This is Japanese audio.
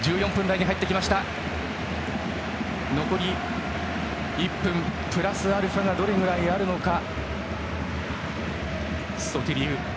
残り１分プラスアルファがどれほどあるのか。